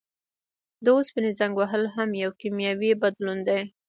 د اوسپنې زنګ وهل هم یو کیمیاوي بدلون دی.